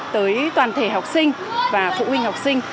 tới toàn thể học sinh và phụ huynh học sinh